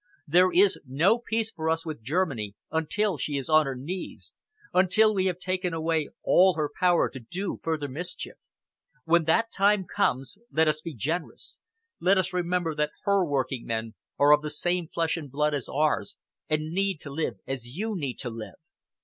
There is no peace for us with Germany until she is on her knees, until we have taken away all her power to do further mischief. When that time comes let us be generous. Let us remember that her working men are of the same flesh and blood as ours and need to live as you need to live.